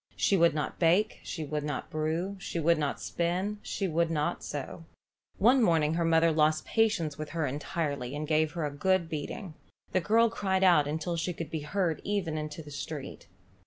She would not bake, she would not brew, she would not spin, she would not sew. One morning her mother lost patience with her entirely, and gave her a good beating. The girl cried out until she could be heard even into the street.